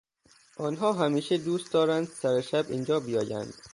آنها همیشه دوست دارند سر شب اینجا بیایند.